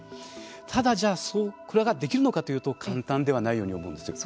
ただ、これができるのかというと簡単ではないように思うんです。